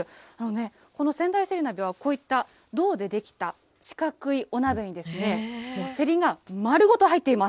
この仙台せり鍋はこういった銅で出来た四角いお鍋に、せりが丸ごと入っています。